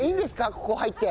ここ入って。